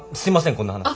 こんな話。